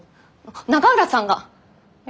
永浦さんが！え？